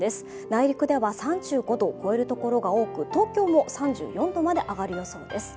内陸では３５度を超える所が多く東京も３４度まで上がる予想です。